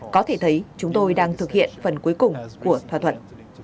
có thể thấy chúng tôi đang thực hiện phần cuối cùng của thỏa thuận